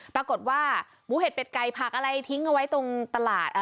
ปรากฏว่าหมูเห็ดเป็ดไก่ผักอะไรทิ้งเอาไว้ตรงตลาด